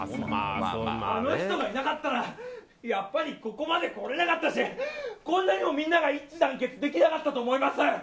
あの人がいなかったらやっぱりここまで来れなかったしこんなにもみんなが一致団結できなかったと思います！